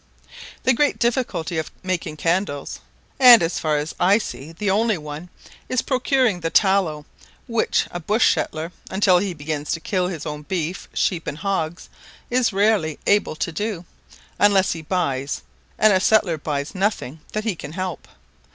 The great difficulty of making candies and, as far as I see the only one, is procuring the tallow, which a bush settler, until he begins to kill his own beef, sheep, and hogs, is rarely able to do, unless he buys; and a settler buys nothing that he can help.